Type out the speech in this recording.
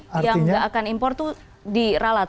yang nggak akan impor itu diralat